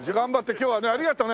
今日はねありがとね。